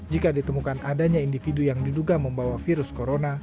jika ditemukan adanya individu yang diduga membawa virus corona